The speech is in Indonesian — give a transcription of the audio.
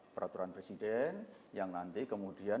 peraturan presiden yang nanti kemudian